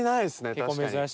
確かに。